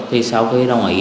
thì sau khi đồng ý thì